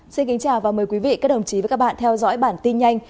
xin kính chào và mời quý vị các đồng chí và các bạn theo dõi bản tin nhanh